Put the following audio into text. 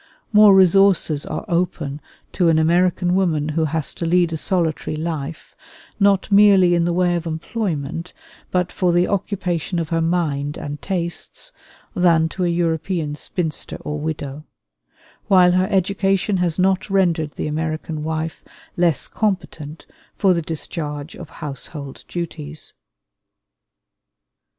More resources are open to an American woman who has to lead a solitary life, not merely in the way of employment, but for the occupation of her mind and tastes, than to a European spinster or widow; while her education has not rendered the American wife less competent for the discharge of household duties.